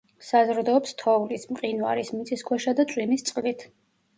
საზრდოობს თოვლის, მყინვარის, მიწისქვეშა და წვიმის წყლით.